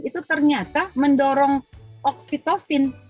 itu ternyata mendorong oksitosin